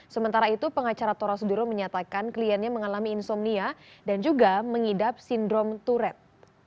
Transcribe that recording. sementara itu pengacara tora sudiro menyatakan kliennya mengalami insomnia dan juga mengidap sindrom turet